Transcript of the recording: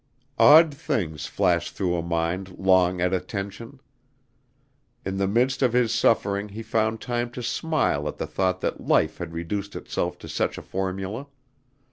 Odd things flash through a mind long at a tension. In the midst of his suffering he found time to smile at the thought that life had reduced itself to such a formula.